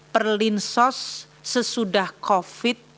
perlinsos sesudah covid sembilan belas